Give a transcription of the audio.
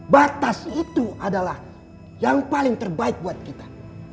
batas itu adalah yang paling terbaik buat kita